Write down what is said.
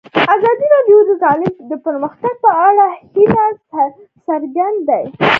ازادي راډیو د تعلیم د پرمختګ په اړه هیله څرګنده کړې.